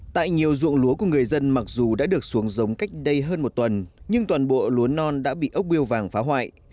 tại nhiều dụng lúa của người dân mặc dù đã được xuống giống cách đây hơn một tuần nhưng toàn bộ lúa non đã bị ốc biêu vàng phá hoại